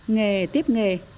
nghề tiếp nghề